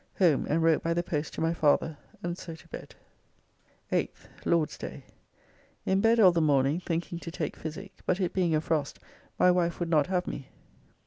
Home and wrote by the post to my father, and so to bed. 8th (Lord's day). In bed all the morning thinking to take physique, but it being a frost my wife would not have me.